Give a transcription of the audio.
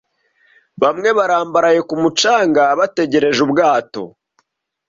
Bamwe barambaraye ku mucanga bategereje ubwato